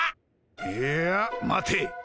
いや待て。